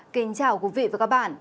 kính chào quý vị và các bạn